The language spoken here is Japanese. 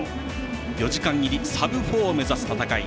４時間切り、サブ４を目指す戦い。